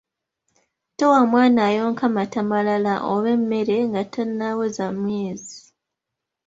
Towa mwana ayonka mata malala oba emmere nga tannaweza myezi !